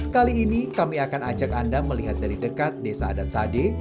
kali ini kami akan ajak anda melihat dari dekat desa adat sade